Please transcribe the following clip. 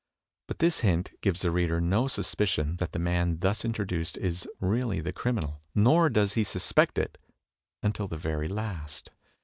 But this hint gives the reader no suspicion that the man thus introduced is really the criminal, nor does he suspect it until the very last.